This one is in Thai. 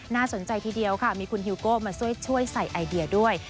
น่าสนใจทีเดียวค่ะมีคุณฮิวโก้มาช่วยใส่ไอเดียด้วย